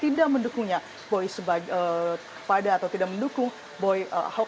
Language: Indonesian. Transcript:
tidak mendukungnya boy pada atau tidak mendukung boy ahok